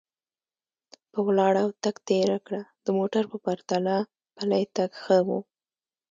په ولاړه او تګ تېره کړه، د موټر په پرتله پلی تګ ښه و.